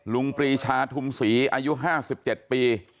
ลุงปรีชาทุ่มศรีอายุห้าสิบเจ็ดปี